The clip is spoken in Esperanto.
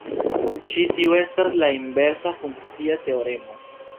Ĉi tiu estas la inversa funkcia teoremo.